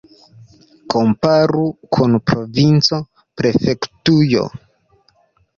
Komparu kun provinco, prefektujo.